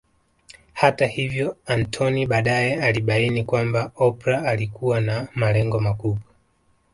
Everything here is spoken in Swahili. Hata hivyo Anthony baadae alibaini kwamba Oprah alikuwa na malengo makubwa